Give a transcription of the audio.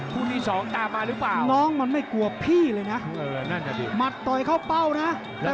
คู่นี้๒ตามาหรือเปล่าน้องมันไม่กลัวพี่เลยนะ